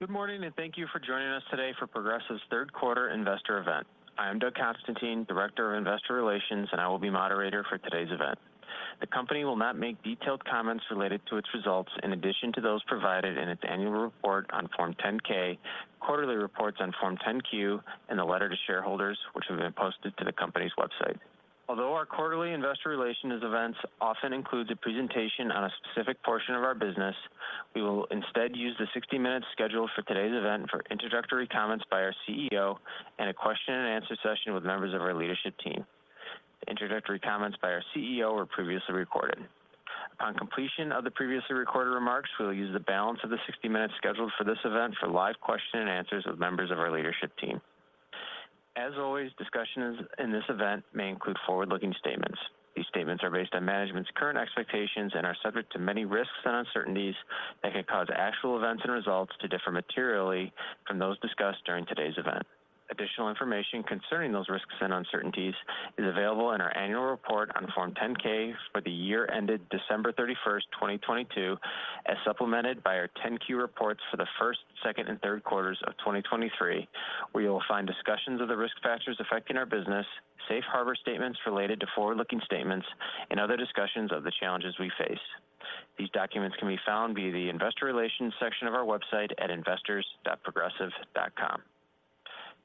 Good morning, and thank you for joining us today for Progressive's Q3 investor event. I am Doug Constantine, Director of Investor Relations, and I will be moderator for today's event. The company will not make detailed comments related to its results in addition to those provided in its annual report on Form 10-K, quarterly reports on Form 10-Q, and the letter to shareholders, which have been posted to the company's website. Although our quarterly investor relations events often include a presentation on a specific portion of our business, we will instead use the 60-minute schedule for today's event for introductory comments by our CEO and a question-and-answer session with members of our leadership team. Introductory comments by our CEO were previously recorded. On completion of the previously recorded remarks, we will use the balance of the 60-minute schedule for this event for live question and answers with members of our leadership team. As always, discussions in this event may include forward-looking statements. These statements are based on management's current expectations and are subject to many risks and uncertainties that can cause actual events and results to differ materially from those discussed during today's event. Additional information concerning those risks and uncertainties is available in our annual report on Form 10-K for the year ended December 31st, 2022, as supplemented by our 10-Q reports for the Q1, Q2 and Q3 of 2023, where you'll find discussions of the risk factors affecting our business, safe harbor statements related to forward-looking statements and other discussions of the challenges we face. These documents can be found via the Investor Relations section of our website at investors.progressive.com.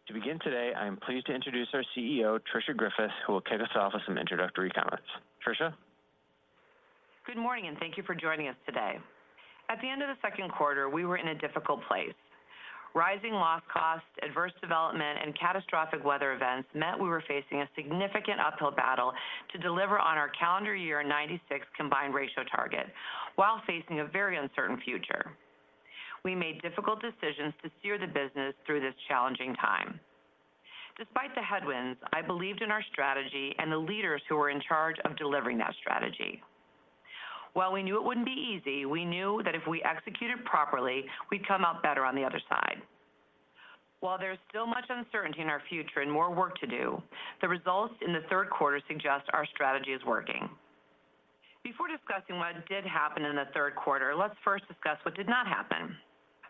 To begin today, I am pleased to introduce our CEO, Tricia Griffith, who will kick us off with some introductory comments. Tricia? Good morning, and thank you for joining us today. At the end of the Q2, we were in a difficult place. Rising loss costs, adverse development and catastrophic weather events meant we were facing a significant uphill battle to deliver on our calendar year 96 Combined Ratio target, while facing a very uncertain future. We made difficult decisions to steer the business through this challenging time. Despite the headwinds, I believed in our strategy and the leaders who were in charge of delivering that strategy. While we knew it wouldn't be easy, we knew that if we executed properly, we'd come out better on the other side. While there's still much uncertainty in our future and more work to do, the results in the Q3 suggest our strategy is working. Before discussing what did happen in the Q3, let's first discuss what did not happen.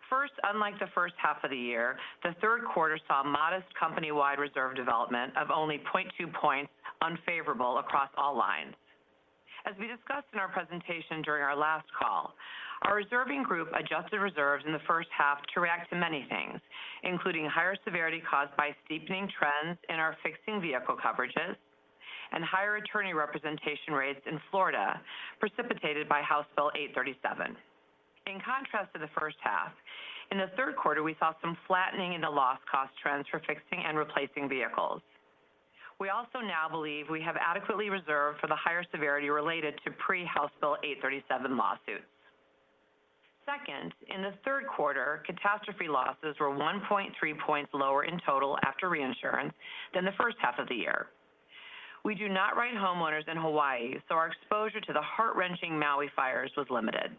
First, unlike the H1 of the year, the Q3 saw modest company-wide reserve development of only 0.2 points unfavorable across all lines. As we discussed in our presentation during our last call, our reserving group adjusted reserves in the H1 to react to many things, including higher severity caused by steepening trends in our fixing vehicle coverages and higher attorney representation rates in Florida, precipitated by House Bill 837. In contrast to the H1, in the Q3, we saw some flattening in the loss cost trends for fixing and replacing vehicles. We also now believe we have adequately reserved for the higher severity related to pre-House Bill 837 lawsuits. Second, in the Q3, catastrophe losses were 1.3 points lower in total after reinsurance than the H1 of the year. We do not write homeowners in Hawaii, so our exposure to the heart-wrenching Maui fires was limited.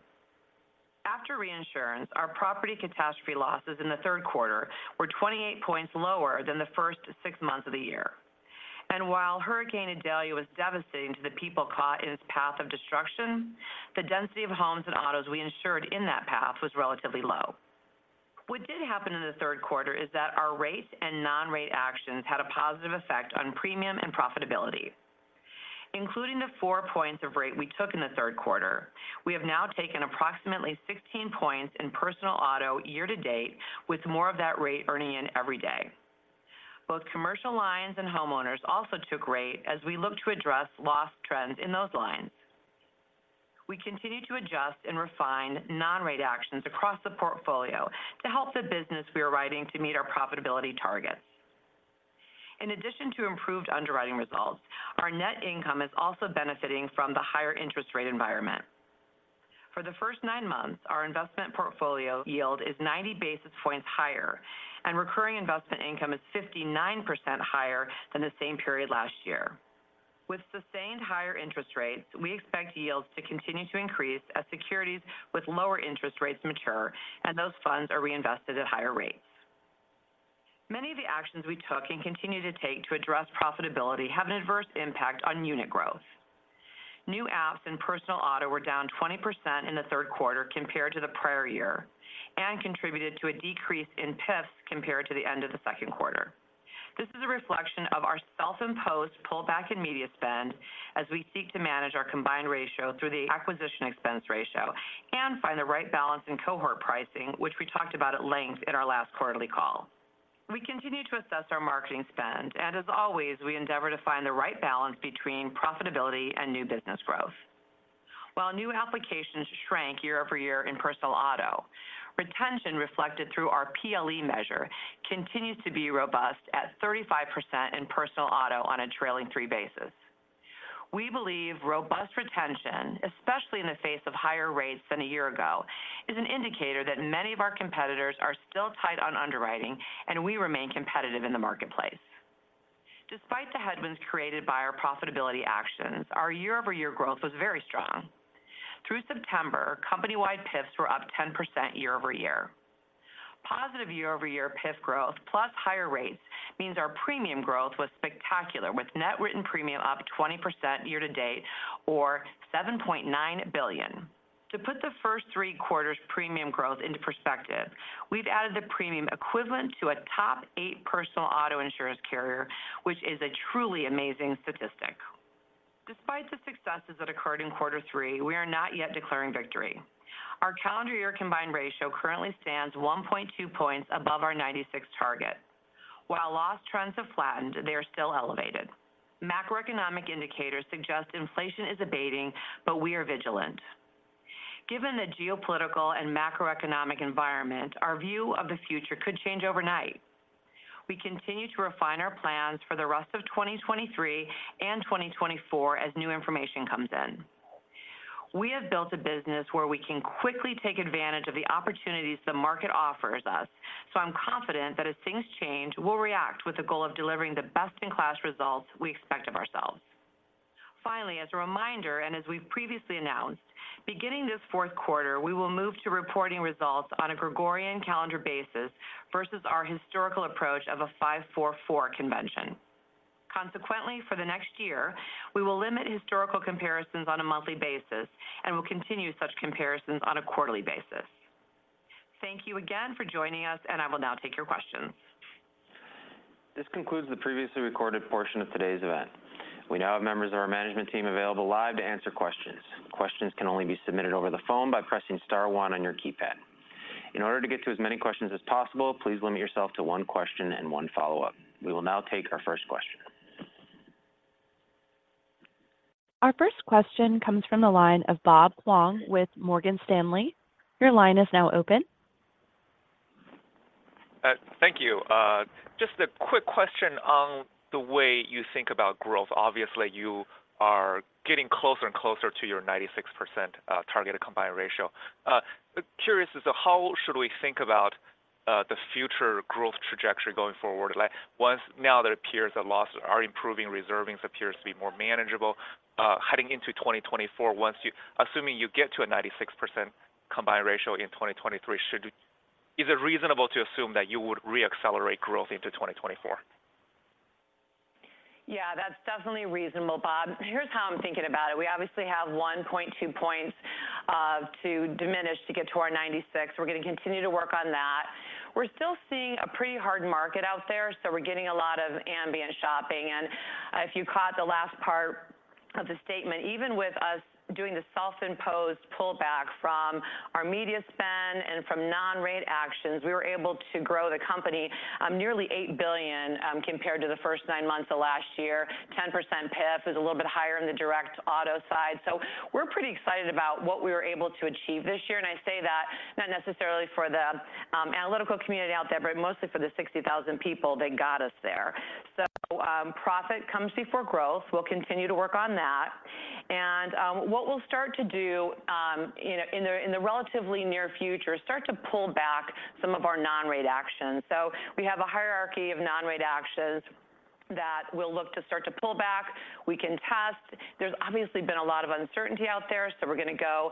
After reinsurance, our property catastrophe losses in the Q3 were 28 points lower than the first six months of the year. And while Hurricane Idalia was devastating to the people caught in its path of destruction, the density of homes and autos we insured in that path was relatively low. What did happen in the Q3 is that our rates and non-rate actions had a positive effect on premium and profitability. Including the four points of rate we took in the Q3, we have now taken approximately 16 points in personal auto year to date, with more of that rate earning in every day. Both commercial lines and homeowners also took rate as we look to address loss trends in those lines. We continue to adjust and refine non-rate actions across the portfolio to help the business we are writing to meet our profitability targets. In addition to improved underwriting results, our net income is also benefiting from the higher interest rate environment. For the first nine months, our investment portfolio yield is 90 basis points higher, and recurring investment income is 59% higher than the same period last year. With sustained higher interest rates, we expect yields to continue to increase as securities with lower interest rates mature and those funds are reinvested at higher rates. Many of the actions we took and continue to take to address profitability have an adverse impact on unit growth. New apps and personal auto were down 20% in the Q3 compared to the prior year and contributed to a decrease in PIFs compared to the end of the Q2. This is a reflection of our self-imposed pullback in media spend as we seek to manage our combined ratio through the acquisition expense ratio and find the right balance in cohort pricing, which we talked about at length in our last quarterly call. We continue to assess our marketing spend, and as always, we endeavor to find the right balance between profitability and new business growth. While new applications shrank year-over-year in personal auto, retention, reflected through our PLE measure, continues to be robust at 35% in personal auto on a trailing three basis. We believe robust retention, especially in the face of higher rates than a year ago, is an indicator that many of our competitors are still tight on underwriting, and we remain competitive in the marketplace. Despite the headwinds created by our profitability actions, our year-over-year growth was very strong. Through September, company-wide PIFs were up 10% year-over-year. Po...... positive year-over-year PIF growth, plus higher rates, means our premium growth was spectacular, with net written premium up 20% year-to-date, or $7.9 billion. To put the first three quarters premium growth into perspective, we've added the premium equivalent to a top eight personal auto insurance carrier, which is a truly amazing statistic. Despite the successes that occurred in Q3, we are not yet declaring victory. Our calendar year combined ratio currently stands 1.2 points above our 96 target. While loss trends have flattened, they are still elevated. Macroeconomic indicators suggest inflation is abating, but we are vigilant. Given the geopolitical and macroeconomic environment, our view of the future could change overnight. We continue to refine our plans for the rest of 2023 and 2024 as new information comes in. We have built a business where we can quickly take advantage of the opportunities the market offers us, so I'm confident that as things change, we'll react with the goal of delivering the best-in-class results we expect of ourselves. Finally, as a reminder, and as we've previously announced, beginning this Q4, we will move to reporting results on a Gregorian calendar basis versus our historical approach of a 5-4-4 convention. Consequently, for the next year, we will limit historical comparisons on a monthly basis and will continue such comparisons on a quarterly basis. Thank you again for joining us, and I will now take your questions. This concludes the previously recorded portion of today's event. We now have members of our management team available live to answer questions. Questions can only be submitted over the phone by pressing star one on your keypad. In order to get to as many questions as possible, please limit yourself to one question and one follow-up. We will now take our first question. Our first question comes from the line of Bob Huang with Morgan Stanley. Your line is now open. Thank you. Just a quick question on the way you think about growth. Obviously, you are getting closer and closer to your 96% targeted combined ratio. Curious as to how should we think about the future growth trajectory going forward? Like, once now that it appears that losses are improving, reserving appears to be more manageable, heading into 2024, once you—assuming you get to a 96% combined ratio in 2023, should we... Is it reasonable to assume that you would reaccelerate growth into 2024? Yeah, that's definitely reasonable, Bob. Here's how I'm thinking about it. We obviously have 1.2 points to diminish to get to our 96. We're going to continue to work on that. We're still seeing a pretty hard market out there, so we're getting a lot of ambient shopping. And if you caught the last part of the statement, even with us doing the self-imposed pullback from our media spend and from non-rate actions, we were able to grow the company nearly $8 billion compared to the first nine months of last year. 10% PIF is a little bit higher in the direct auto side. So we're pretty excited about what we were able to achieve this year. And I say that not necessarily for the analytical community out there, but mostly for the 60,000 people that got us there. So, profit comes before growth. We'll continue to work on that. And, what we'll start to do, you know, in the relatively near future, start to pull back some of our non-rate actions. So we have a hierarchy of non-rate actions that we'll look to start to pull back. We can test. There's obviously been a lot of uncertainty out there, so we're going to go...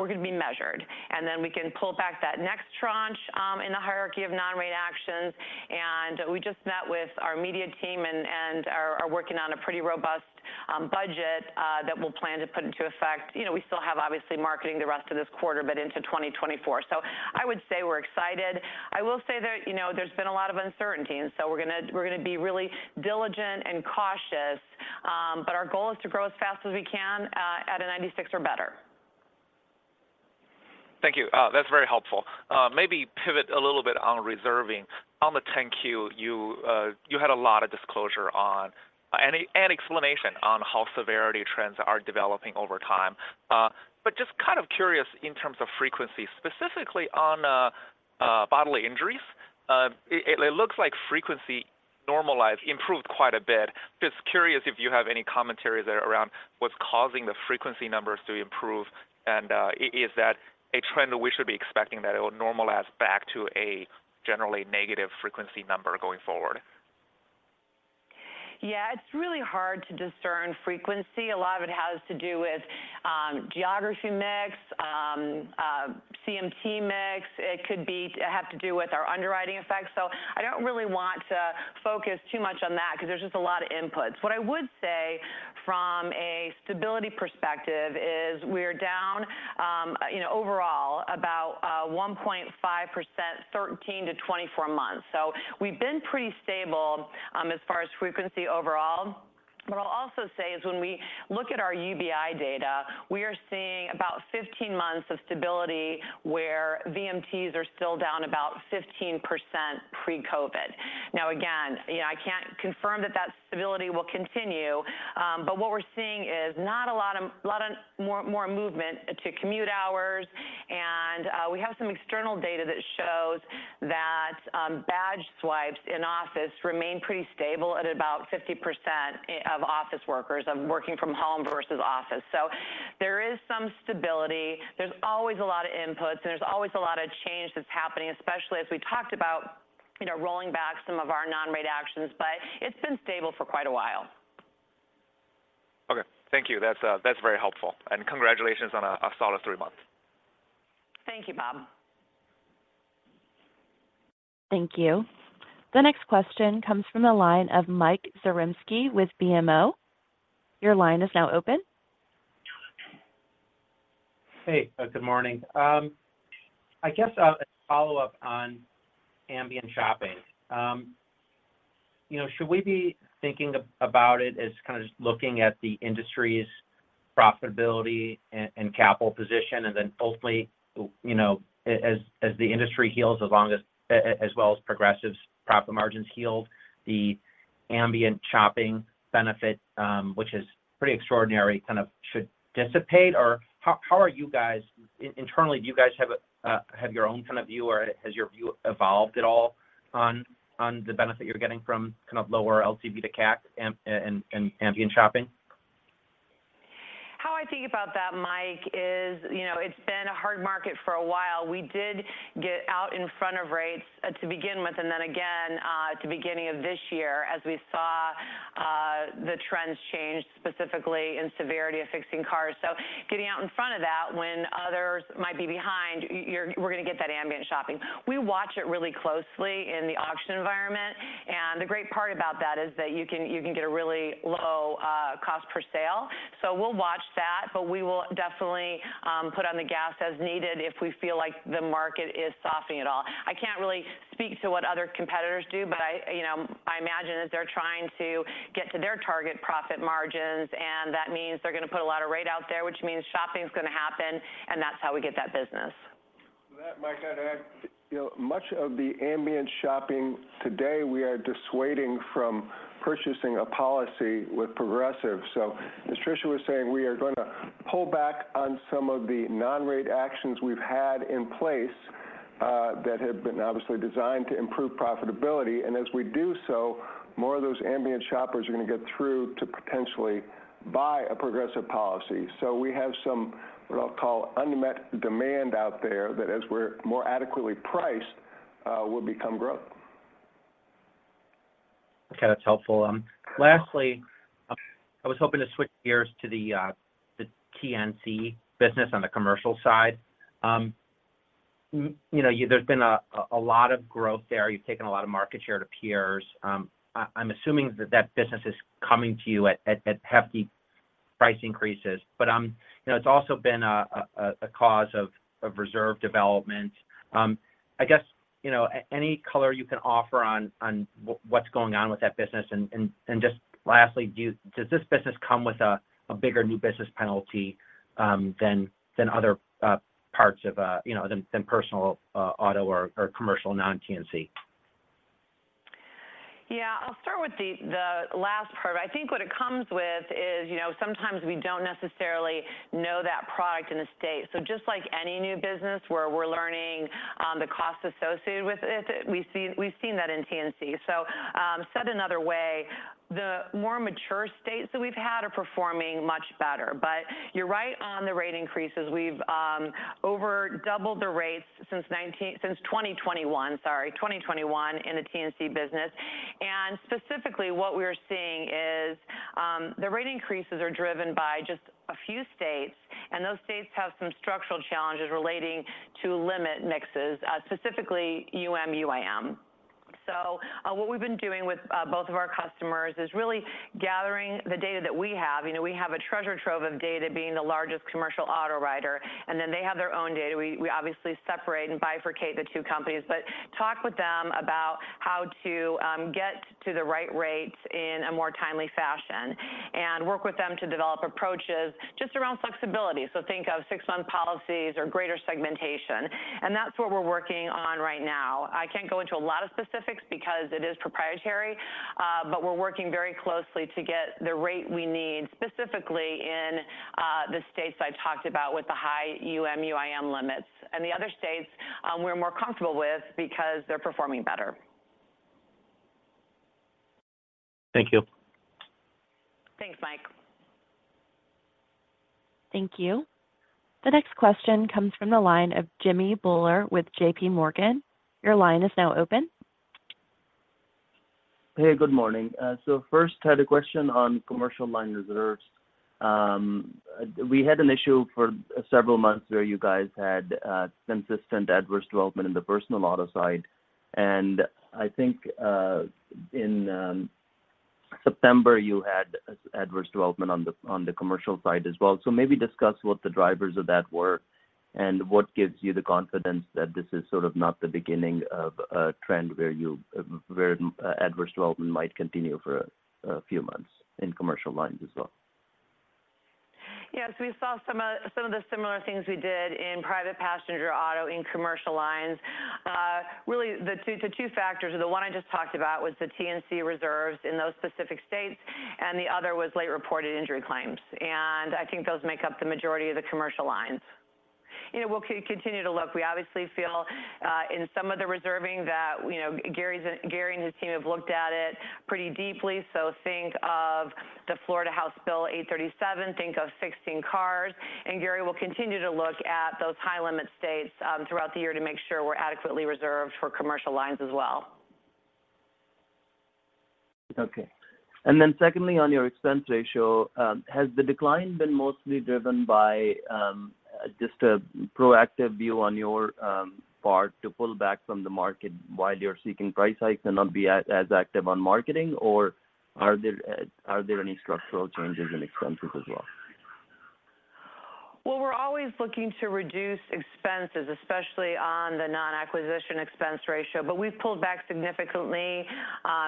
we're going to be measured, and then we can pull back that next tranche, in the hierarchy of non-rate actions. And we just met with our media team and are working on a pretty robust, budget, that we'll plan to put into effect. You know, we still have obviously marketing the rest of this quarter, but into 2024. So I would say we're excited. I will say that, you know, there's been a lot of uncertainty, and so we're going to be really diligent and cautious, but our goal is to grow as fast as we can, at a 96% or better. Thank you. That's very helpful. Maybe pivot a little bit on reserving. On the 10-Q, you, you had a lot of disclosure on and, and explanation on how severity trends are developing over time. But just kind of curious in terms of frequency, specifically on, bodily injuries. It, it looks like frequency normalized, improved quite a bit. Just curious if you have any commentary there around what's causing the frequency numbers to improve, and, is that a trend that we should be expecting that it will normalize back to a generally negative frequency number going forward? Yeah, it's really hard to discern frequency. A lot of it has to do with geography mix, VMT mix. It could be, have to do with our underwriting effects. So I don't really want to focus too much on that because there's just a lot of inputs. What I would say from a stability perspective is we're down, you know, overall about 1.5%, 13-24 months. So we've been pretty stable as far as frequency overall. What I'll also say is when we look at our UBI data, we are seeing about 15 months of stability where VMTs are still down about 15% pre-COVID. Now, again, you know, I can't confirm that that stability will continue, but what we're seeing is not a lot of more movement to commute hours. We have some external data that shows that badge swipes in office remain pretty stable at about 50% of office workers, of working from home versus office. There is some stability. There's always a lot of inputs, and there's always a lot of change that's happening, especially as we talked about, you know, rolling back some of our non-rate actions, but it's been stable for quite a while.... Thank you. That's very helpful, and congratulations on a solid three months. Thank you, Bob. Thank you. The next question comes from the line of Mike Zaremski with BMO. Your line is now open. Hey, good morning. I guess, a follow-up on ambient shopping. You know, should we be thinking about it as kind of just looking at the industry's profitability and capital position, and then ultimately, you know, as the industry heals, as long as, as well as Progressive's profit margins heal, the ambient shopping benefit, which is pretty extraordinary, kind of should dissipate? Or how are you guys... Internally, do you guys have your own kind of view, or has your view evolved at all on the benefit you're getting from kind of lower LCV to CAC and ambient shopping? How I think about that, Mike, is, you know, it's been a hard market for a while. We did get out in front of rates to begin with, and then again at the beginning of this year, as we saw the trends change, specifically in severity of fixing cars. So getting out in front of that when others might be behind, we're going to get that ambient shopping. We watch it really closely in the auction environment, and the great part about that is that you can, you can get a really low cost per sale. So we'll watch that, but we will definitely put on the gas as needed if we feel like the market is softening at all. I can't really speak to what other competitors do, but I, you know, I imagine that they're trying to get to their target profit margins, and that means they're going to put a lot of rate out there, which means shopping is going to happen, and that's how we get that business. To that, Mike, I'd add, you know, much of the ambient shopping today, we are dissuading from purchasing a policy with Progressive. So as Tricia was saying, we are going to pull back on some of the non-rate actions we've had in place that have been obviously designed to improve profitability. And as we do so, more of those ambient shoppers are going to get through to potentially buy a Progressive policy. So we have some, what I'll call, unmet demand out there that as we're more adequately priced, will become growth. Okay, that's helpful. Lastly, I was hoping to switch gears to the TNC business on the commercial side. You know, there's been a lot of growth there. You've taken a lot of market share to peers. I'm assuming that that business is coming to you at hefty price increases. But, you know, it's also been a cause of reserve development. I guess, you know, any color you can offer on what's going on with that business? And just lastly, does this business come with a bigger new business penalty than other parts of, you know, than personal auto or commercial non-TNC? Yeah, I'll start with the last part. I think what it comes with is, you know, sometimes we don't necessarily know that product in the state. So just like any new business where we're learning the costs associated with it, we've seen that in TNC. So, said another way, the more mature states that we've had are performing much better. But you're right on the rate increases. We've over doubled the rates since nineteen-- since 2021, sorry, 2021 in the TNC business. And specifically, what we're seeing is the rate increases are driven by just a few states, and those states have some structural challenges relating to limit mixes, specifically UM/UIM. So, what we've been doing with both of our customers is really gathering the data that we have. You know, we have a treasure trove of data being the largest commercial auto rider, and then they have their own data. We, we obviously separate and bifurcate the two companies, but talk with them about how to get to the right rates in a more timely fashion, and work with them to develop approaches just around flexibility. So think of six-month policies or greater segmentation, and that's what we're working on right now. I can't go into a lot of specifics because it is proprietary, but we're working very closely to get the rate we need, specifically in the states I talked about with the high UM/UIM limits. The other states, we're more comfortable with because they're performing better. Thank you. Thanks, Mike. Thank you. The next question comes from the line of Jimmy Bhullar with JP Morgan. Your line is now open. Hey, good morning. First, I had a question on commercial line reserves. We had an issue for several months where you guys had consistent adverse development in the personal auto side, and I think in September you had adverse development on the commercial side as well. Maybe discuss what the drivers of that were and what gives you the confidence that this is sort of not the beginning of a trend where adverse development might continue for a few months in commercial lines as well? Yes, we saw some, some of the similar things we did in private passenger auto and commercial lines. Really, the two, the two factors are the one I just talked about, was the TNC reserves in those specific states, and the other was late-reported injury claims, and I think those make up the majority of the commercial lines. You know, we'll continue to look. We obviously feel, in some of the reserving that, you know, Gary and his team have looked at it pretty deeply. So think of the Florida House Bill 837, think of fixing cars, and Gary will continue to look at those high-limit states, throughout the year to make sure we're adequately reserved for commercial lines as well.... Okay. And then secondly, on your expense ratio, has the decline been mostly driven by just a proactive view on your part to pull back from the market while you're seeking price hikes and not be as active on marketing? Or are there any structural changes in expenses as well? Well, we're always looking to reduce expenses, especially on the non-acquisition expense ratio. But we've pulled back significantly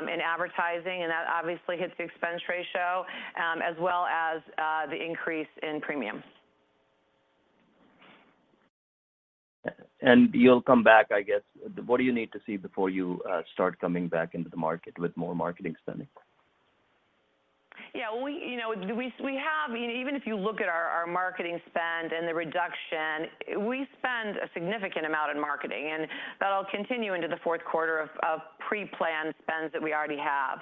in advertising, and that obviously hits the expense ratio as well as the increase in premiums. You'll come back, I guess. What do you need to see before you start coming back into the market with more marketing spending? Yeah, we, you know, we have even if you look at our marketing spend and the reduction, we spend a significant amount in marketing, and that'll continue into the Q4 of pre-planned spends that we already have.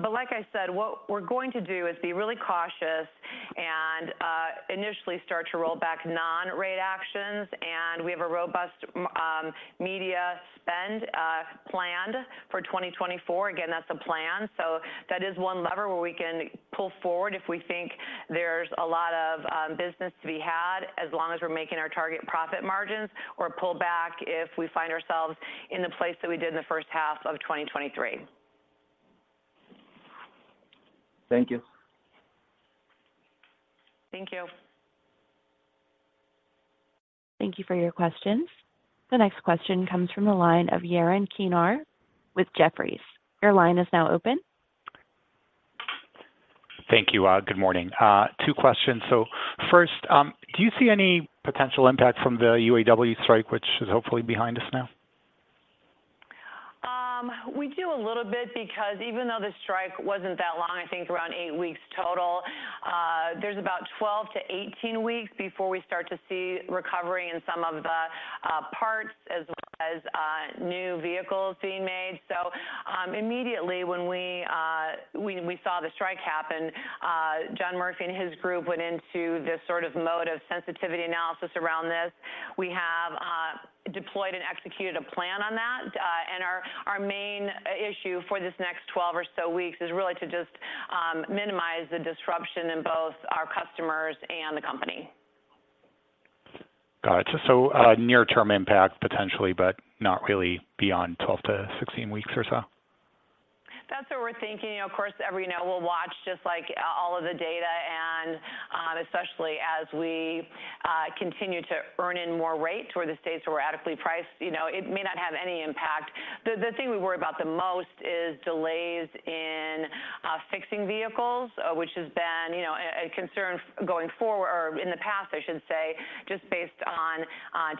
But like I said, what we're going to do is be really cautious and initially start to roll back non-rate actions, and we have a robust media spend planned for 2024. Again, that's a plan. So that is one lever where we can pull forward if we think there's a lot of business to be had, as long as we're making our target profit margins, or pull back if we find ourselves in the place that we did in the H1 of 2023. Thank you. Thank you. Thank you for your questions. The next question comes from the line of Yaron Kinar with Jefferies. Your line is now open. Thank you. Good morning. Two questions. So first, do you see any potential impact from the UAW strike, which is hopefully behind us now? We do a little bit because even though the strike wasn't that long, I think around eight weeks total, there's about 12-18 weeks before we start to see recovery in some of the parts as well as new vehicles being made. So, immediately when we saw the strike happen, John Murphy and his group went into this sort of mode of sensitivity analysis around this. We have deployed and executed a plan on that. And our main issue for this next 12 or so weeks is really to just minimize the disruption in both our customers and the company. Got it. So, near term impact, potentially, but not really beyond 12-16 weeks or so? That's what we're thinking. Of course, every now we'll watch, just like all of the data, and especially as we continue to earn in more rate toward the states where we're adequately priced, you know, it may not have any impact. The thing we worry about the most is delays in fixing vehicles, which has been, you know, a concern going forward, or in the past, I should say, just based on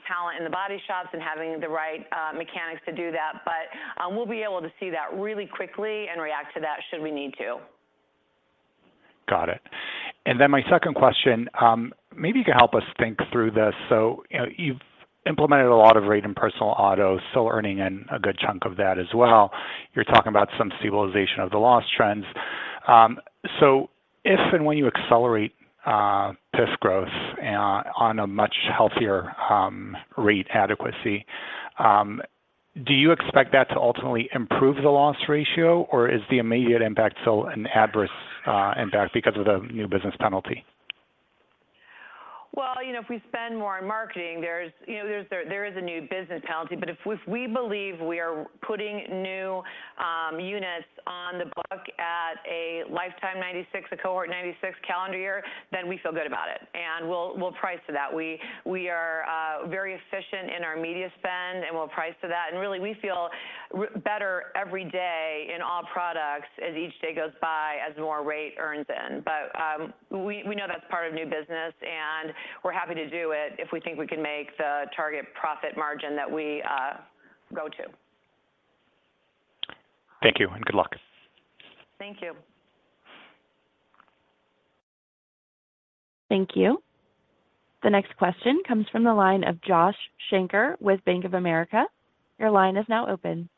talent in the body shops and having the right mechanics to do that. But we'll be able to see that really quickly and react to that should we need to. Got it. And then my second question, maybe you can help us think through this. So you know, you've implemented a lot of rate in personal auto, still earning in a good chunk of that as well. You're talking about some stabilization of the loss trends. So if and when you accelerate this growth on a much healthier rate adequacy, do you expect that to ultimately improve the loss ratio, or is the immediate impact still an adverse impact because of the new business penalty? Well, you know, if we spend more on marketing, there's, you know, there is a new business penalty. But if we believe we are putting new units on the book at a lifetime 96, a cohort 96 calendar year, then we feel good about it, and we'll price to that. We are very efficient in our media spend, and we'll price to that. And really, we feel better every day in all products as each day goes by, as more rate earns in. But we know that's part of new business, and we're happy to do it if we think we can make the target profit margin that we go to. Thank you, and good luck. Thank you. Thank you. The next question comes from the line of Josh Shanker with Bank of America. Your line is now open.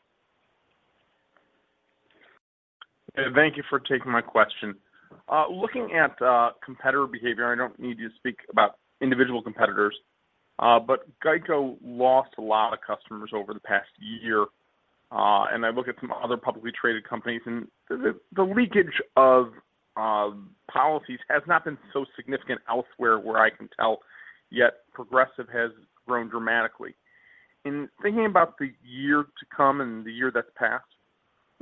Thank you for taking my question. Looking at competitor behavior, I don't need you to speak about individual competitors, but GEICO lost a lot of customers over the past year. And I look at some other publicly traded companies, and the leakage of policies has not been so significant elsewhere, where I can tell, yet Progressive has grown dramatically. In thinking about the year to come and the year that's passed,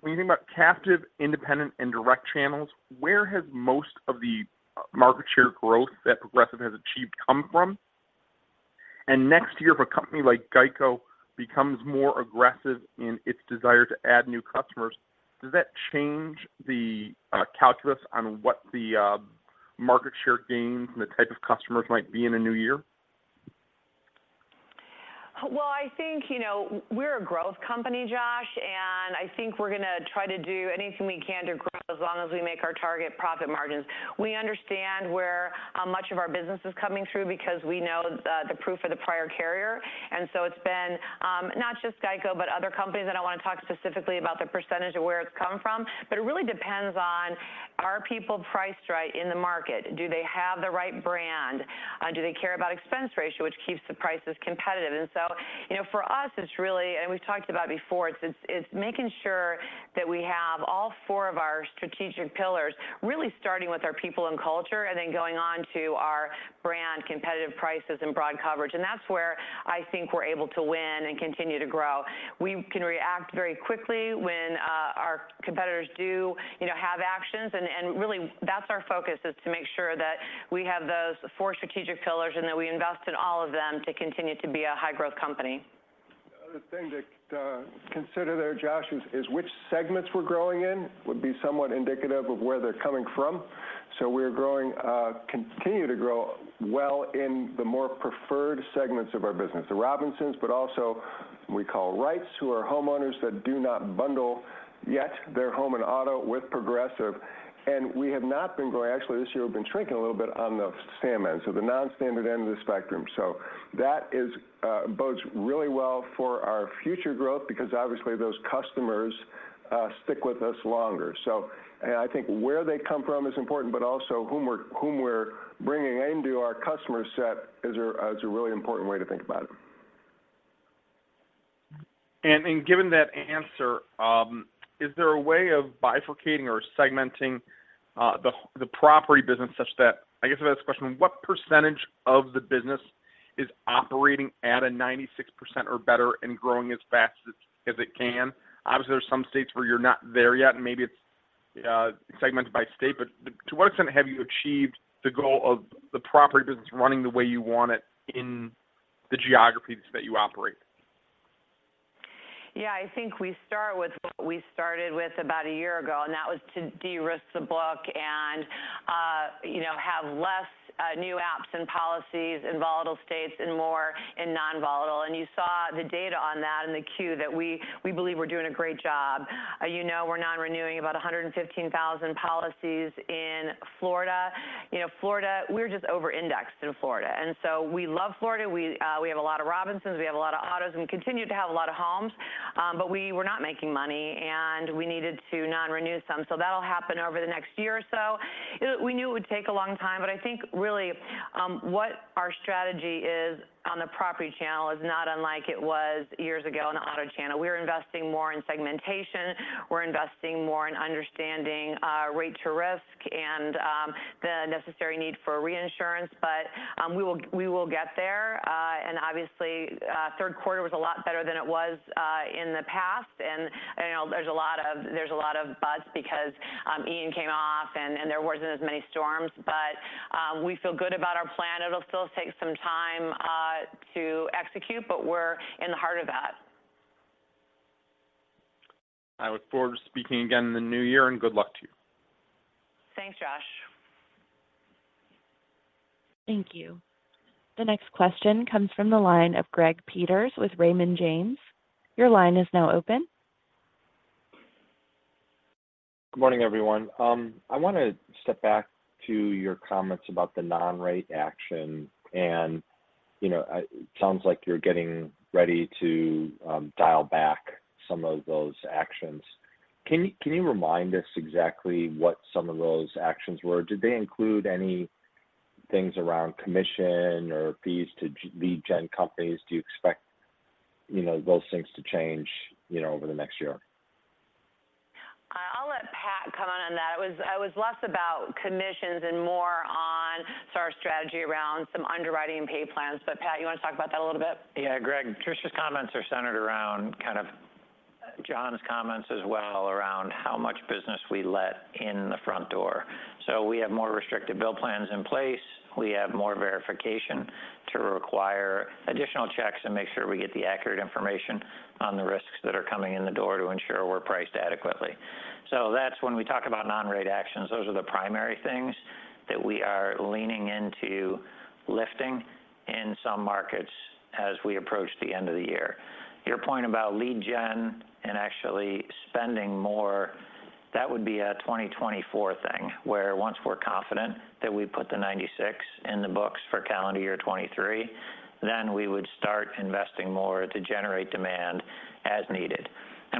when you think about captive, independent, and direct channels, where has most of the market share growth that Progressive has achieved come from? And next year, if a company like GEICO becomes more aggressive in its desire to add new customers, does that change the calculus on what the market share gains and the type of customers might be in a new year? ... Well, I think, you know, we're a growth company, Josh, and I think we're going to try to do anything we can to grow as long as we make our target profit margins. We understand where much of our business is coming through because we know the proof of the prior carrier, and so it's been not just GEICO, but other companies. I don't want to talk specifically about the percentage of where it's coming from, but it really depends on are people priced right in the market? Do they have the right brand? Do they care about expense ratio, which keeps the prices competitive? So, you know, for us, it's really, and we've talked about before, it's making sure that we have all four of our strategic pillars really starting with our people and culture, and then going on to our brand, competitive prices and broad coverage. That's where I think we're able to win and continue to grow. We can react very quickly when our competitors do, you know, have actions, and really that's our focus, is to make sure that we have those four strategic pillars and that we invest in all of them to continue to be a high-growth company. The other thing to consider there, Josh, is which segments we're growing in would be somewhat indicative of where they're coming from. So we're growing continue to grow well in the more preferred segments of our business, the Robinsons, but also we call Wrights, who are homeowners that do not bundle yet their home and auto with Progressive, and we have not been growing. Actually, this year, we've been shrinking a little bit on the standard, so the non-standard end of the spectrum. So that is bodes really well for our future growth because obviously those customers stick with us longer. So and I think where they come from is important, but also whom we're bringing into our customer set is a really important way to think about it. Then given that answer, is there a way of bifurcating or segmenting the property business such that... I guess I'll ask the question: What percentage of the business is operating at a 96% or better and growing as fast as it can? Obviously, there are some states where you're not there yet, and maybe it's segmented by state, but to what extent have you achieved the goal of the property business running the way you want it in the geographies that you operate? Yeah, I think we start with what we started with about a year ago, and that was to de-risk the book and, you know, have less, new apps and policies in volatile states and more in non-volatile. And you saw the data on that in the Q, that we, we believe we're doing a great job. You know, we're non-renewing about 115,000 policies in Florida. You know, Florida, we're just over-indexed in Florida, and so we love Florida. We, we have a lot of Robinsons, we have a lot of autos, and we continue to have a lot of homes, but we were not making money, and we needed to non-renew some. So that'll happen over the next year or so. We knew it would take a long time, but I think really, what our strategy is on the property channel is not unlike it was years ago in the auto channel. We're investing more in segmentation, we're investing more in understanding, rate to risk and, the necessary need for reinsurance, but, we will, we will get there. And obviously, Q3 was a lot better than it was, in the past. And, you know, there's a lot of, there's a lot of buzz because, Ian came off and, and there wasn't as many storms. But, we feel good about our plan. It'll still take some time, to execute, but we're in the heart of that. I look forward to speaking again in the new year, and good luck to you. Thanks, Josh. Thank you. The next question comes from the line of Greg Peters with Raymond James. Your line is now open. Good morning, everyone. I want to step back to your comments about the non-rate action, and, you know, it sounds like you're getting ready to, dial back some of those actions. Can you, can you remind us exactly what some of those actions were? Did they include any things around commission or fees to lead gen companies? Do you expect, you know, those things to change, you know, over the next year? I'll let Pat comment on that. It was, it was less about commissions and more on sort of our strategy around some underwriting and pay plans. But Pat, you want to talk about that a little bit? Yeah, Greg, Tricia's comments are centered around kind of John's comments as well, around how much business we let in the front door. So we have more restrictive bill plans in place. We have more verification to require additional checks and make sure we get the accurate information on the risks that are coming in the door to ensure we're priced adequately. So that's when we talk about non-rate actions, those are the primary things that we are leaning into lifting in some markets as we approach the end of the year. Your point about lead gen and actually spending more, that would be a 2024 thing, where once we're confident that we put the 96 in the books for calendar year 2023, then we would start investing more to generate demand as needed.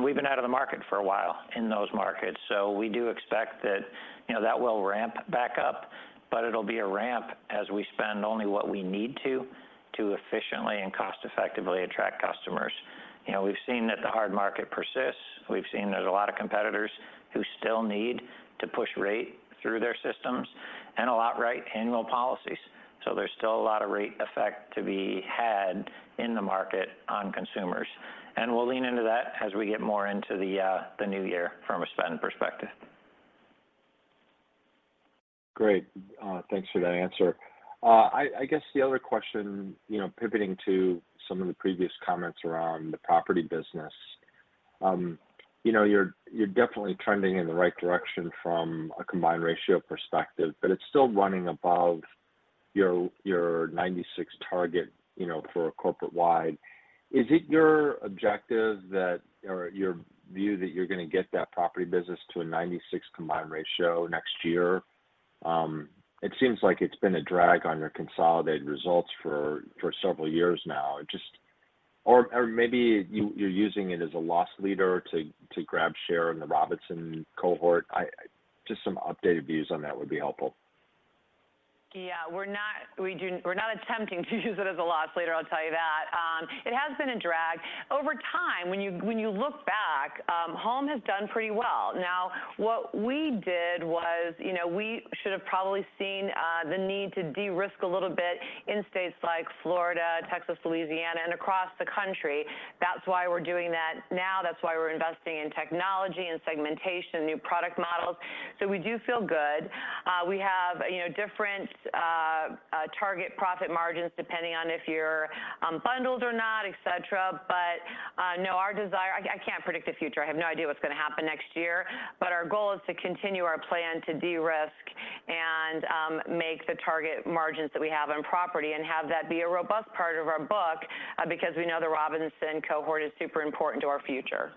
We've been out of the market for a while in those markets, so we do expect that, you know, that will ramp back up, but it'll be a ramp as we spend only what we need to, to efficiently and cost-effectively attract customers. You know, we've seen that the hard market persists. We've seen there's a lot of competitors who still need to push rate through their systems and a lot write annual policies, so there's still a lot of rate effect to be had in the market on consumers. We'll lean into that as we get more into the new year from a spend perspective. Great. Thanks for that answer. I guess the other question, you know, pivoting to some of the previous comments around the property business, you know, you're definitely trending in the right direction from a combined ratio perspective, but it's still running above your 96 target, you know, for a corporate-wide. Is it your objective that, or your view that you're going to get that property business to a 96 combined ratio next year? It seems like it's been a drag on your consolidated results for several years now. Just or maybe you're using it as a loss leader to grab share in the Robinsons cohort. Just some updated views on that would be helpful. Yeah, we're not attempting to use it as a loss leader, I'll tell you that. It has been a drag. Over time, when you look back, home has done pretty well. Now, what we did was, you know, we should have probably seen the need to de-risk a little bit in states like Florida, Texas, Louisiana, and across the country. That's why we're doing that now. That's why we're investing in technology and segmentation, new product models. So we do feel good. We have, you know, different target profit margins, depending on if you're bundled or not, et cetera. But, no, our desire—I can't predict the future. I have no idea what's going to happen next year, but our goal is to continue our plan to de-risk and make the target margins that we have on property and have that be a robust part of our book, because we know the Robinsons cohort is super important to our future.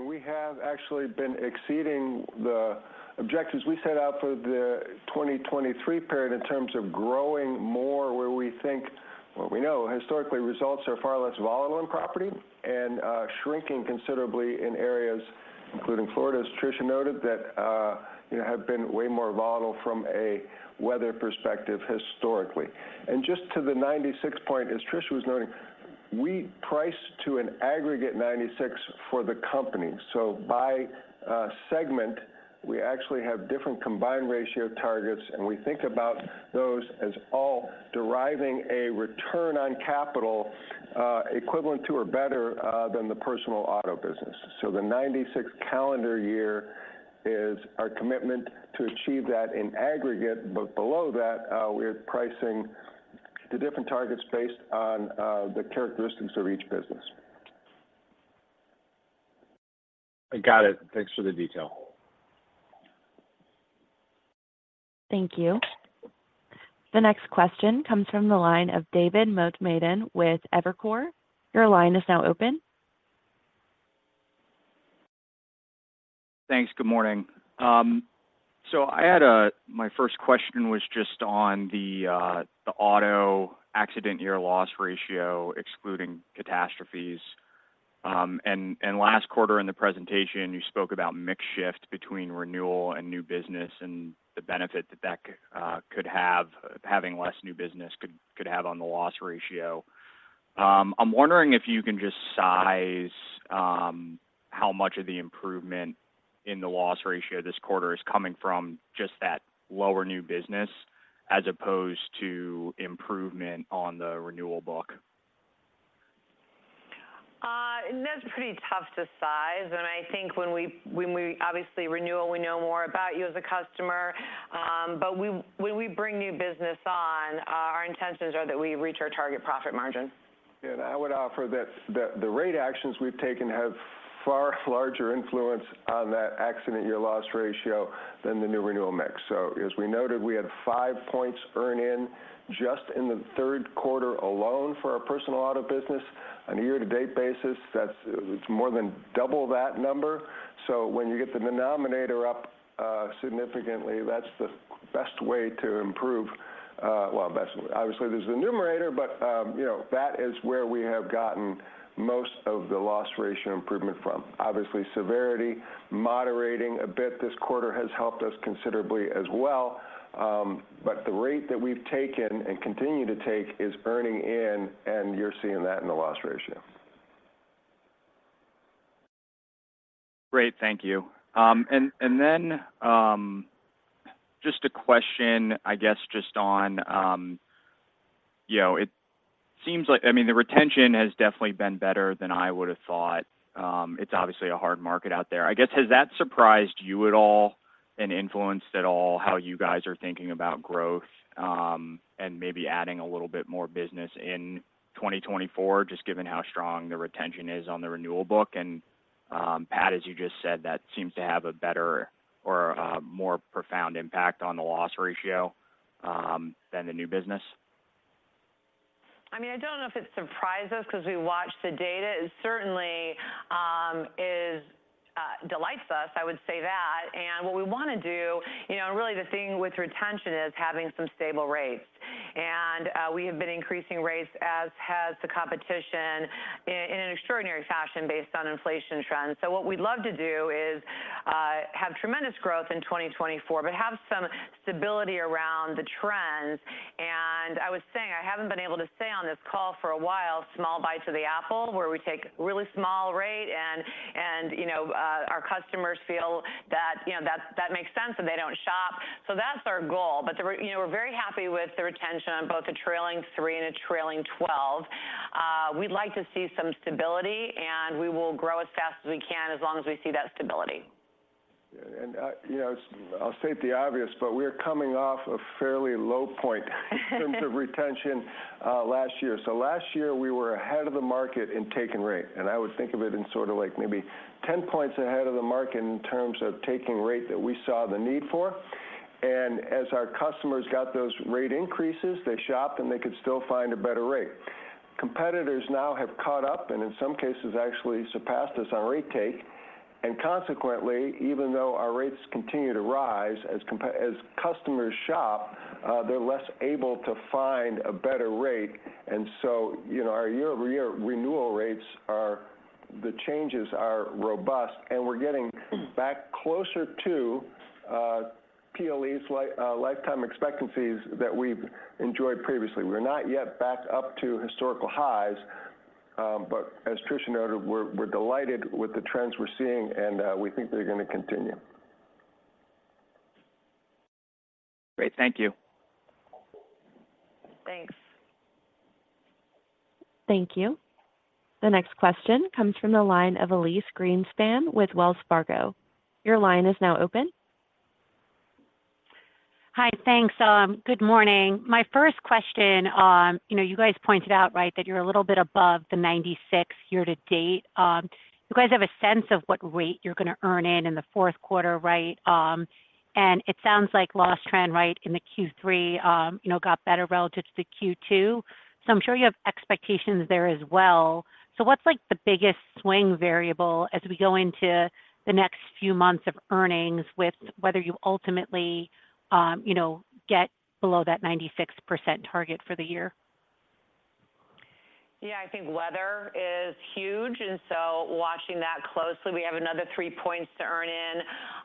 We have actually been exceeding the objectives we set out for the 2023 period in terms of growing more where we think, well, we know historically, results are far less volatile in property and shrinking considerably in areas, including Florida, as Tricia noted, that you know have been way more volatile from a weather perspective historically. Just to the 96-point, as Tricia was noting, we price to an aggregate 96 for the company. So by segment, we actually have different combined ratio targets, and we think about those as all deriving a return on capital equivalent to or better than the personal auto business. So the 96 calendar year is our commitment to achieve that in aggregate, but below that, we're pricing the different targets based on the characteristics of each business. I got it. Thanks for the detail. Thank you. The next question comes from the line of David Motemaden with Evercore. Your line is now open. Thanks. Good morning. So I had my first question was just on the auto accident year loss ratio, excluding catastrophes. And last quarter in the presentation, you spoke about mix shift between renewal and new business, and the benefit that could have, having less new business could have on the loss ratio. I'm wondering if you can just size how much of the improvement in the loss ratio this quarter is coming from just that lower new business, as opposed to improvement on the renewal book? That's pretty tough to size, and I think when we... Obviously, renewal, we know more about you as a customer, but when we bring new business on, our intentions are that we reach our target profit margin. I would offer that the rate actions we've taken have far larger influence on that accident year loss ratio than the new renewal mix. So as we noted, we had 5 points earn in just in the Q3 alone for our personal auto business. On a year-to-date basis, that's, it's more than double that number. So when you get the denominator up significantly, that's the best way to improve. Well, best, obviously, there's the numerator, but you know, that is where we have gotten most of the loss ratio improvement from. Obviously, severity moderating a bit this quarter has helped us considerably as well. But the rate that we've taken and continue to take is earning in, and you're seeing that in the loss ratio. Great, thank you. And then, just a question, I guess, just on, you know, it seems like—I mean, the retention has definitely been better than I would have thought. It's obviously a hard market out there. I guess, has that surprised you at all and influenced at all how you guys are thinking about growth, and maybe adding a little bit more business in 2024, just given how strong the retention is on the renewal book? And, Pat, as you just said, that seems to have a better or a more profound impact on the loss ratio, than the new business. I mean, I don't know if it surprised us because we watched the data. It certainly delights us, I would say that. And what we want to do, you know, really the thing with retention is having some stable rates. And we have been increasing rates, as has the competition in an extraordinary fashion based on inflation trends. So what we'd love to do is have tremendous growth in 2024, but have some stability around the trends. And I was saying, I haven't been able to say on this call for a while, small bites of the apple, where we take really small rate and, you know, our customers feel that, you know, that makes sense, and they don't shop. So that's our goal. You know, we're very happy with the retention on both the trailing three and the trailing 12. We'd like to see some stability, and we will grow as fast as we can, as long as we see that stability.... you know, I'll state the obvious, but we're coming off a fairly low point in terms of retention last year. Last year, we were ahead of the market in taking rate, and I would think of it in sort of like maybe 10 points ahead of the market in terms of taking rate that we saw the need for. As our customers got those rate increases, they shopped, and they could still find a better rate. Competitors now have caught up, and in some cases, actually surpassed us on rate take. And consequently, even though our rates continue to rise, as customers shop, they're less able to find a better rate. So, you know, our year-over-year renewal rates are the changes are robust, and we're getting back closer to PLE's lifetime expectancies that we've enjoyed previously. We're not yet back up to historical highs, but as Tricia noted, we're delighted with the trends we're seeing, and we think they're going to continue. Great. Thank you. Thanks. Thank you. The next question comes from the line of Elyse Greenspan with Wells Fargo. Your line is now open. Hi, thanks. Good morning. My first question, you know, you guys pointed out, right, that you're a little bit above the 96% year to date. You guys have a sense of what rate you're going to earn in the Q4, right? And it sounds like loss trend, right, in the Q3, you know, got better relative to Q2. So I'm sure you have expectations there as well. So what's, like, the biggest swing variable as we go into the next few months of earnings with whether you ultimately, you know, get below that 96% target for the year? Yeah, I think weather is huge, and so watching that closely, we have another 3 points to earn in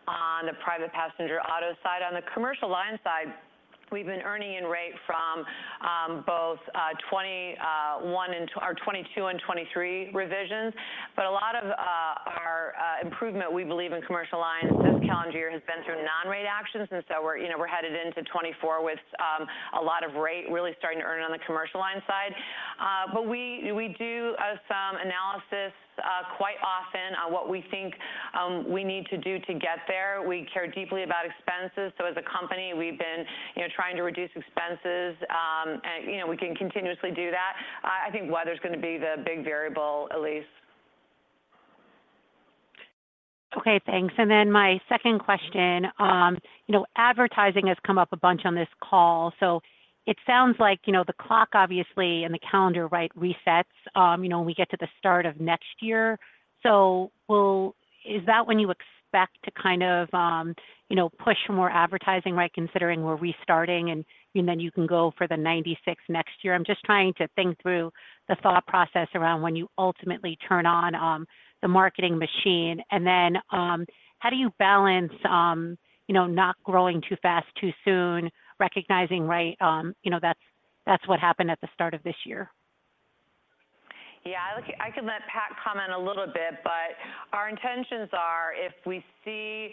on the private passenger auto side. On the commercial line side, we've been earning in rate from both 2021 and or 2022 and 2023 revisions. But a lot of our improvement, we believe in commercial lines this calendar year has been through non-rate actions, and so we're, you know, we're headed into 2024 with a lot of rate really starting to earn on the commercial line side. But we do some analysis quite often on what we think we need to do to get there. We care deeply about expenses, so as a company, we've been, you know, trying to reduce expenses, and, you know, we can continuously do that. I think weather's going to be the big variable, Elyse. Okay, thanks. And then my second question, you know, advertising has come up a bunch on this call, so it sounds like, you know, the clock, obviously, and the calendar, right, resets, you know, when we get to the start of next year. So is that when you expect to kind of, you know, push more advertising, right, considering we're restarting and, and then you can go for the 96 next year? I'm just trying to think through the thought process around when you ultimately turn on, the marketing machine. And then, how do you balance, you know, not growing too fast, too soon, recognizing, right, you know, that's, that's what happened at the start of this year? Yeah, I can let Pat comment a little bit, but our intentions are, if we see,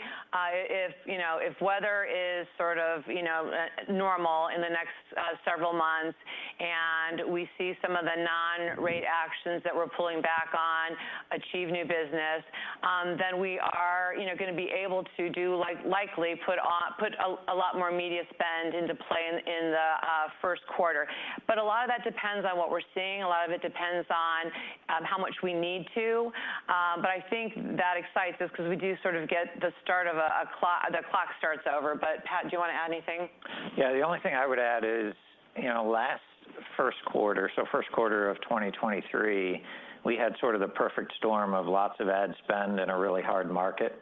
you know, if weather is sort of, you know, normal in the next several months, and we see some of the non-rate actions that we're pulling back on achieve new business, then we are, you know, going to be able to do, like, likely put a lot more media spend into play in the Q1. But a lot of that depends on what we're seeing. A lot of it depends on how much we need to, but I think that excites us because we do sort of get the start of a the clock starts over. But, Pat, do you want to add anything? Yeah, the only thing I would add is, you know, last Q1, so Q1 of 2023, we had sort of the perfect storm of lots of ad spend in a really hard market.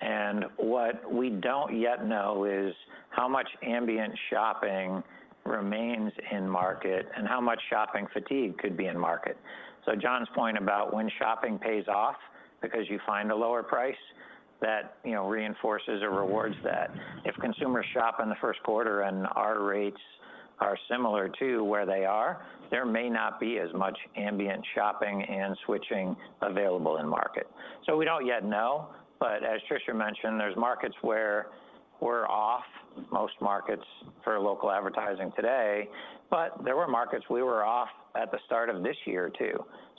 And what we don't yet know is how much ambient shopping remains in market and how much shopping fatigue could be in market. So John's point about when shopping pays off because you find a lower price, that, you know, reinforces or rewards that. If consumers shop in the Q1 and our rates are similar to where they are, there may not be as much ambient shopping and switching available in market. So we don't yet know, but as Tricia mentioned, there's markets where we're off most markets for local advertising today, but there were markets we were off at the start of this year, too.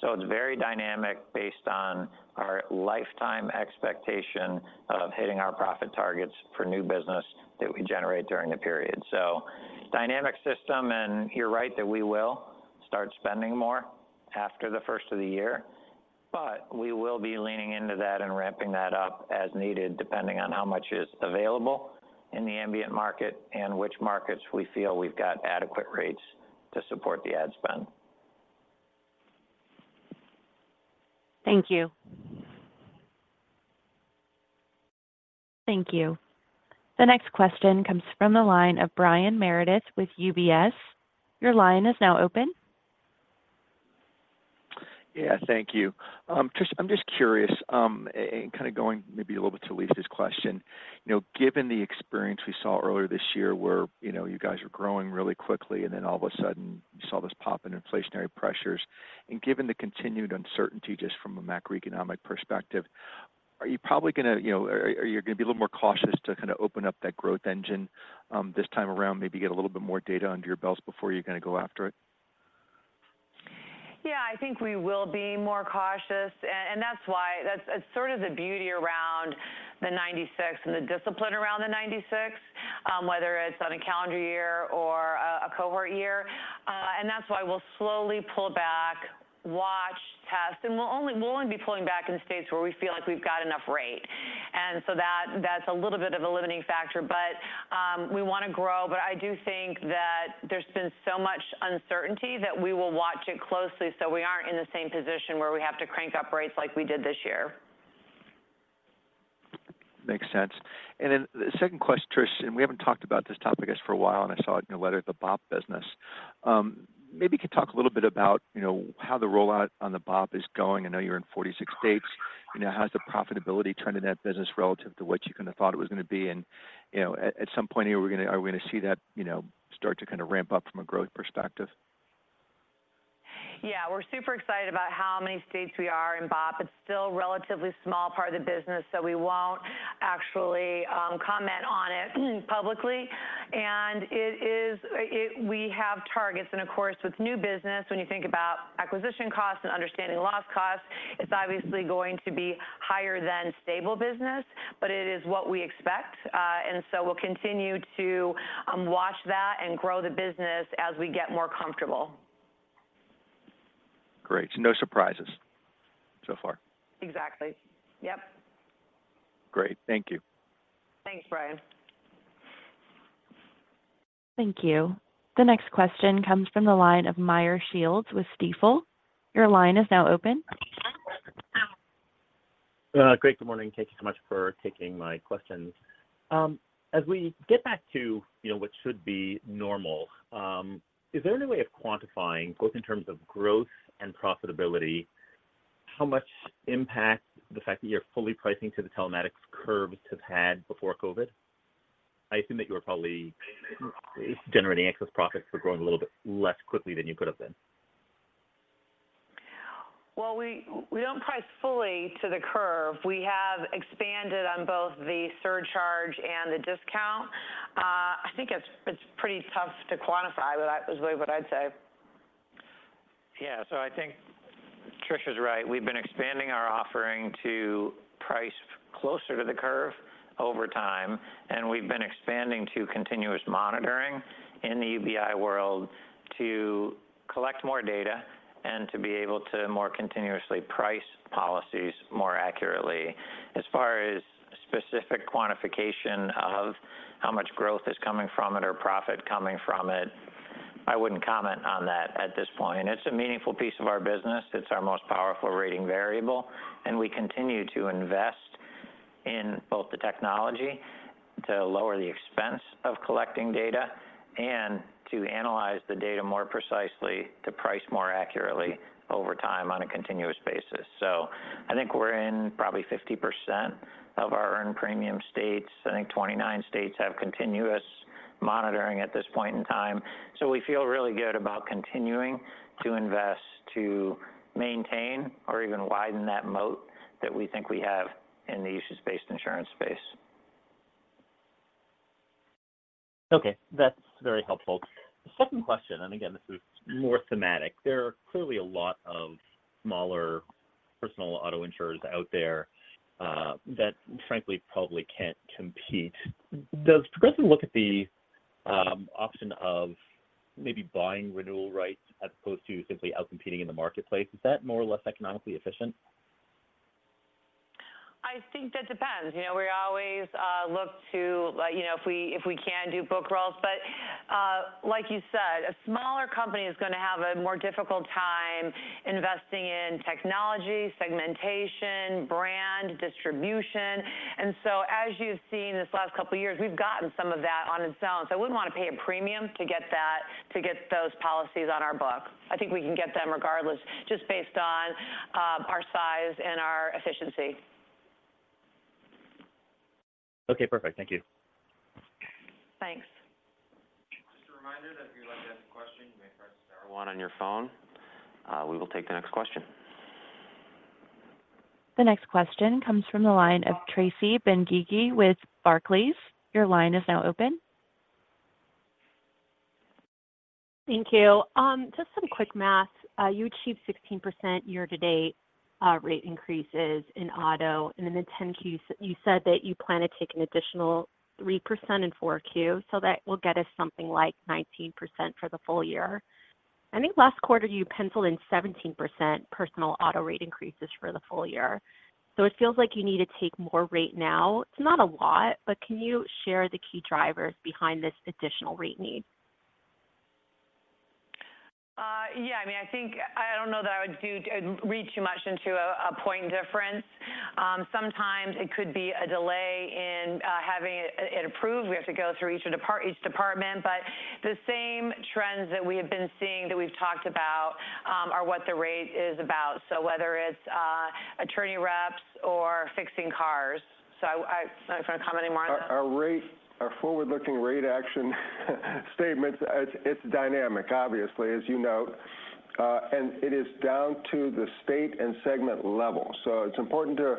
It's very dynamic based on our lifetime expectation of hitting our profit targets for new business that we generate during the period. So dynamic system, and you're right that we will start spending more after the first of the year, but we will be leaning into that and ramping that up as needed, depending on how much is available in the ambient market and which markets we feel we've got adequate rates to support the ad spend. Thank you. Thank you. The next question comes from the line of Brian Meredith with UBS. Your line is now open. Yeah, thank you. Tricia, I'm just curious, and kind of going maybe a little bit to Elyse's question. You know, given the experience we saw earlier this year, where, you know, you guys were growing really quickly, and then all of a sudden, you saw this pop in inflationary pressures, and given the continued uncertainty, just from a macroeconomic perspective, are you probably going to, you know, are, are you going to be a little more cautious to kind of open up that growth engine, this time around, maybe get a little bit more data under your belts before you're going to go after it? ... I think we will be more cautious, and that's why, that's, it's sort of the beauty around the 96 and the discipline around the 96, whether it's on a calendar year or a cohort year. And that's why we'll slowly pull back, watch, test, and we'll only be pulling back in the states where we feel like we've got enough rate. And so that, that's a little bit of a limiting factor, but we want to grow. But I do think that there's been so much uncertainty that we will watch it closely, so we aren't in the same position where we have to crank up rates like we did this year. Makes sense. And then the second question, Tricia, and we haven't talked about this topic I guess, for a while, and I saw it in the letter, the BOP business. Maybe you could talk a little bit about, you know, how the rollout on the BOP is going. I know you're in 46 states. You know, how's the profitability trend in that business relative to what you kind of thought it was going to be? And, you know, at some point here, are we going to see that, you know, start to kind of ramp up from a growth perspective? Yeah, we're super excited about how many states we are in BOP. It's still a relatively small part of the business, so we won't actually comment on it publicly. And it is, we have targets, and of course, with new business, when you think about acquisition costs and understanding loss costs, it's obviously going to be higher than stable business, but it is what we expect. And so we'll continue to watch that and grow the business as we get more comfortable. Great, so no surprises so far? Exactly. Yep. Great. Thank you. Thanks, Brian. Thank you. The next question comes from the line of Meyer Shields with Stifel. Your line is now open. Great, good morning. Thank you so much for taking my questions. As we get back to, you know, what should be normal, is there any way of quantifying, both in terms of growth and profitability, how much impact the fact that you're fully pricing to the telematics curves have had before COVID? I assume that you were probably generating excess profits or growing a little bit less quickly than you could have been. Well, we don't price fully to the curve. We have expanded on both the surcharge and the discount. I think it's pretty tough to quantify, but that is really what I'd say. Yeah, so I think Tricia's right. We've been expanding our offering to price closer to the curve over time, and we've been expanding to continuous monitoring in the UBI world to collect more data and to be able to more continuously price policies more accurately. As far as specific quantification of how much growth is coming from it or profit coming from it, I wouldn't comment on that at this point. It's a meaningful piece of our business. It's our most powerful rating variable, and we continue to invest in both the technology to lower the expense of collecting data and to analyze the data more precisely, to price more accurately over time on a continuous basis. I think we're in probably 50% of our earned premium states. I think 29 states have continuous monitoring at this point in time. So we feel really good about continuing to invest, to maintain or even widen that moat that we think we have in the usage-based insurance space. Okay, that's very helpful. The second question, and again, this is more thematic. There are clearly a lot of smaller personal auto insurers out there that frankly, probably can't compete. Does Progressive look at the option of maybe buying renewal rights as opposed to simply outcompeting in the marketplace? Is that more or less economically efficient? I think that depends. You know, we always look to, like, you know, if we, if we can do book rolls. But, like you said, a smaller company is going to have a more difficult time investing in technology, segmentation, brand, distribution. And so as you've seen this last couple of years, we've gotten some of that on its own. So we wouldn't want to pay a premium to get that, to get those policies on our book. I think we can get them regardless, just based on our size and our efficiency. Okay, perfect. Thank you. Thanks. Just a reminder that if you'd like to ask a question, you may press star one on your phone. We will take the next question. The next question comes from the line of Tracy Benguigui with Barclays. Your line is now open. Thank you. Just some quick math. You achieved 16% year-to-date rate increases in auto. In the mid-10-Q, you said that you plan to take an additional 3% in Q4, so that will get us something like 19% for the full year. I think last quarter, you penciled in 17% personal auto rate increases for the full year. So it feels like you need to take more rate now. It's not a lot, but can you share the key drivers behind this additional rate need? Yeah, I mean, I think I don't know that I would read too much into a point difference. Sometimes it could be a delay in having it approved. We have to go through each department, but the same trends that we have been seeing, that we've talked about, are what the rate is about. So whether it's attorney reps or fixing cars. So I want to comment anymore on that? Our rate, our forward-looking rate action statements, it's dynamic, obviously, as you know.... and it is down to the state and segment level. So it's important to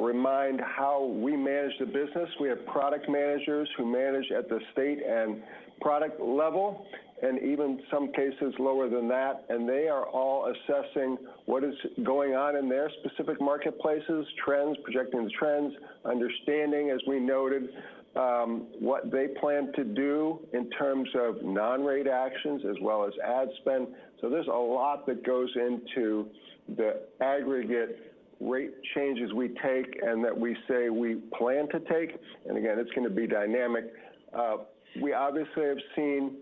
remind how we manage the business. We have product managers who manage at the state and product level, and even some cases lower than that, and they are all assessing what is going on in their specific marketplaces, trends, projecting the trends, understanding, as we noted, what they plan to do in terms of non-rate actions as well as ad spend. So there's a lot that goes into the aggregate rate changes we take and that we say we plan to take, and again, it's going to be dynamic. We obviously have seen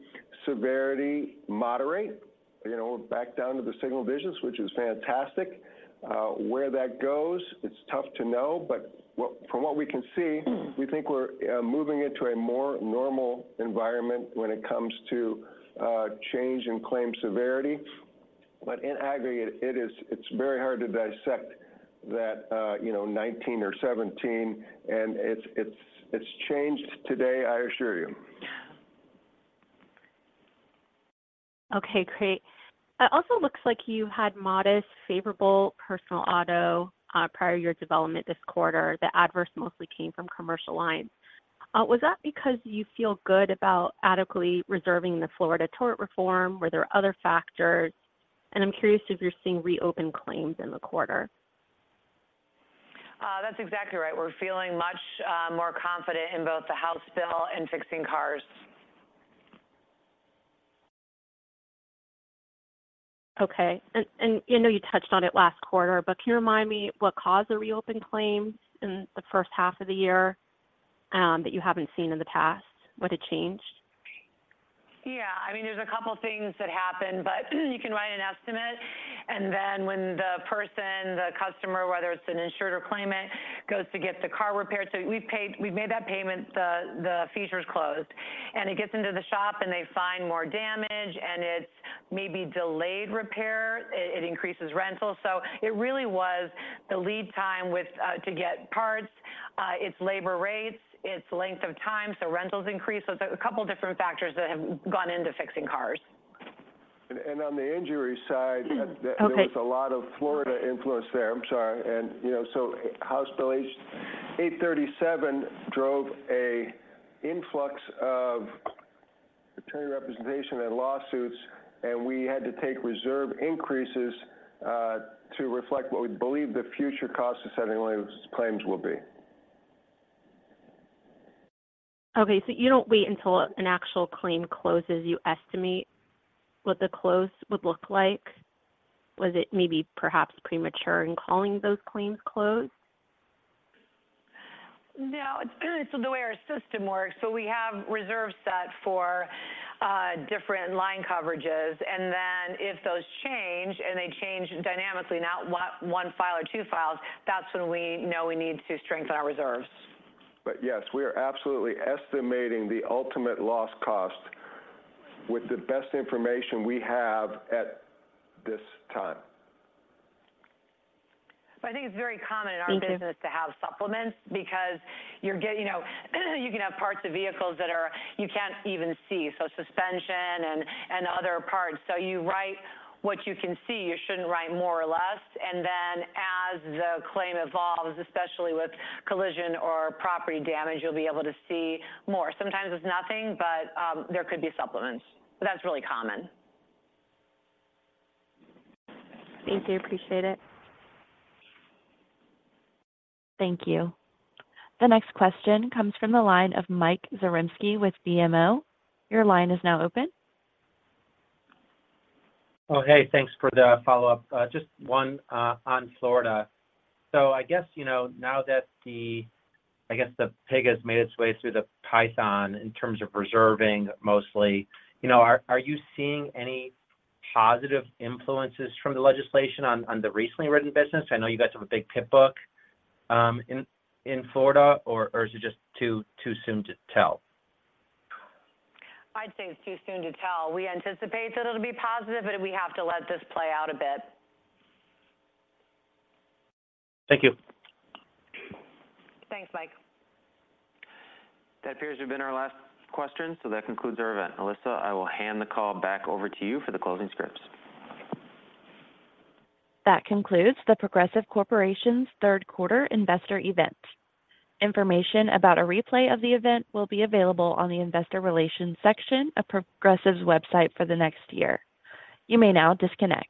severity moderate, you know, back down to the single digits, which is fantastic. Where that goes, it's tough to know, but from what we can see, we think we're moving into a more normal environment when it comes to change and claim severity. But in aggregate, it is very hard to dissect that, you know, 19 or 17, and it's changed today, I assure you. Okay, great. It also looks like you had modest, favorable personal auto, prior year development this quarter. The adverse mostly came from commercial lines. Was that because you feel good about adequately reserving the Florida tort reform? Were there other factors? And I'm curious if you're seeing reopened claims in the quarter. That's exactly right. We're feeling much more confident in both the House bill and fixing cars. Okay. And I know you touched on it last quarter, but can you remind me what caused the reopened claims in the H1 of the year, that you haven't seen in the past? What had changed? Yeah. I mean, there's a couple things that happened, but you can write an estimate, and then when the person, the customer, whether it's an insured or claimant, goes to get the car repaired, so we've paid—we've made that payment, the, the file's closed. And it gets into the shop, and they find more damage, and it's maybe delayed repair, it, it increases rental. So it really was the lead time with to get parts. It's labor rates, it's length of time, so rentals increase. So a couple different factors that have gone into fixing cars. And on the injury side- Okay. There was a lot of Florida influence there. I'm sorry. And, you know, so House Bill 837 drove an influx of attorney representation and lawsuits, and we had to take reserve increases to reflect what we believe the future cost of settling those claims will be. Okay, so you don't wait until an actual claim closes, you estimate what the close would look like? Was it maybe perhaps premature in calling those claims closed? No, it's kind of the way our system works. So we have reserves set for different line coverages, and then if those change, and they change dynamically, not one file or two files, that's when we know we need to strengthen our reserves. But yes, we are absolutely estimating the ultimate loss cost with the best information we have at this time. I think it's very common in our business- Thank you. To have supplements because you're getting. You know, you can have parts of vehicles that are, you can't even see, so suspension and other parts. So you write what you can see. You shouldn't write more or less, and then as the claim evolves, especially with collision or property damage, you'll be able to see more. Sometimes it's nothing, but there could be supplements. But that's really common. Thank you. Appreciate it. Thank you. The next question comes from the line of Mike Zaremski with BMO. Your line is now open. Oh, hey, thanks for the follow-up. Just one on Florida. So I guess, you know, now that the, I guess the pig has made its way through the python in terms of reserving mostly, you know, are you seeing any positive influences from the legislation on the recently written business? I know you guys have a big pig book in Florida, or is it just too soon to tell? I'd say it's too soon to tell. We anticipate that it'll be positive, but we have to let this play out a bit. Thank you. Thanks, Mike. That appears to have been our last question, so that concludes our event. Alyssa, I will hand the call back over to you for the closing scripts. That concludes the Progressive Corporation's Q3 investor event. Information about a replay of the event will be available on the investor relations section of Progressive's website for the next year. You may now disconnect.